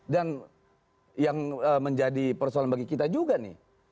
dan yang menjadi persoalan bagi kita juga nih